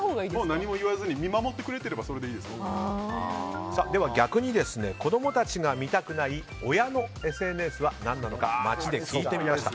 何も言わずに見守ってくれてたら逆に子供たちが見たくない親のＳＮＳは何なのか街で聞いてみました。